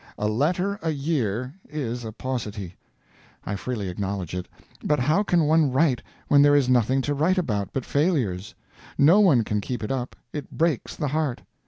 "A letter a year" is a paucity; I freely acknowledge it; but how can one write when there is nothing to write about but failures? No one can keep it up; it breaks the heart.